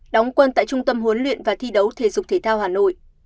đóng quân tại trung tâm huấn luyện và thi đấu thể dục thể thao hà nội